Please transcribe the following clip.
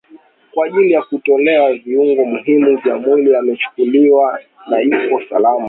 kwa ajili ya kutolewa viungo muhimu vya mwili amechukuliwa na yupo salama